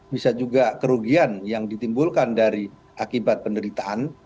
bisa juga kerugian yang ditimbulkan dari akibat penderitaan